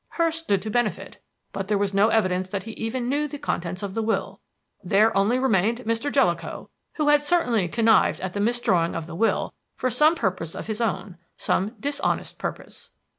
Hurst stood to benefit, but there was no evidence that he even knew the contents of the will. There only remained Mr. Jellicoe, who had certainly connived at the misdrawing of the will for some purpose of his own some dishonest purpose.